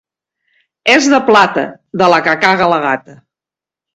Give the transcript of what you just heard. És de plata! —De la que caga la gata.